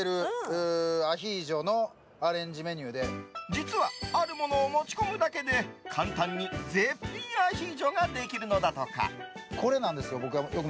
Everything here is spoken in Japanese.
実はあるものを持ち込むだけで簡単に絶品アヒージョができるのだとか。